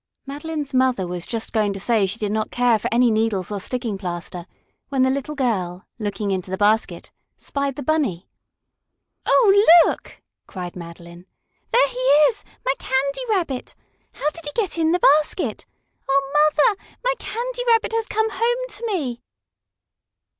Madeline's mother was just going to say she did not care for any needles or sticking plaster when the little girl, looking into the basket, spied the Bunny. "Oh, look!" cried Madeline! "There he is my Candy Rabbit! How did he get in the basket? Oh, Mother, my Candy Rabbit has come home to me!"